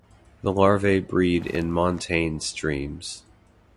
The larvae breed in montane streams.